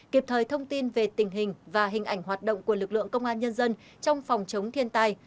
kịp thời thông tin về tình hình và hình ảnh hoạt động của lực lượng công an nhân dân trong phòng chống thiên tai